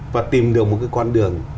và tìm được một cái con đường